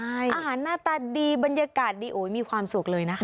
อาหารหน้าตาดีบรรยากาศดีโอ้ยมีความสุขเลยนะคะ